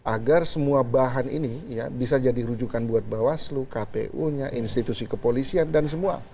agar semua bahan ini bisa jadi rujukan buat bawaslu kpu nya institusi kepolisian dan semua